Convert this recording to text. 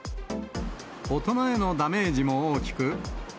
大人へのダメージも大きく。